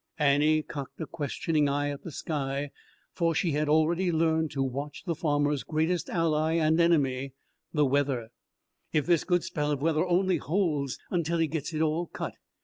Annie cocked a questioning eye at the sky, for she had already learned to watch the farmer's greatest ally and enemy weather. "If this good spell of weather only holds until he gets it all cut!"